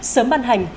sớm ban hành